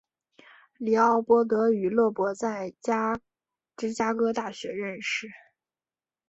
李奥波德与勒伯在芝加哥大学认识。